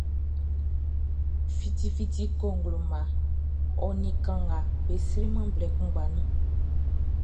Fiti fiti cogloman ɔ ni kanga be sri man blɛ kuʼngba nu.